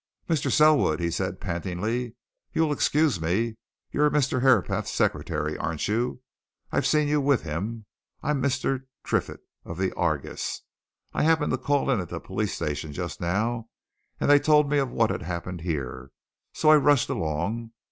"Mr. Selwood?" he said, pantingly. "You'll excuse me you're Mr. Herapath's secretary, aren't you? I've seen you with him. I'm Mr. Triffitt, of the Argus I happened to call in at the police station just now, and they told me of what had happened here, so I rushed along.